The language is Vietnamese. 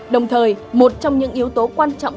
đồng thời một trong những yếu tố quan trọng